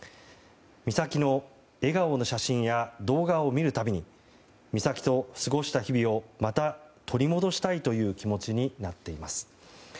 美咲の笑顔の写真や動画を見る度に美咲と過ごした日々をまた取り戻したいという気持ちになっています。